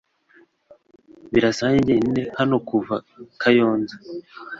Birasa nkanjye jyenyine hano kuva Kayonza .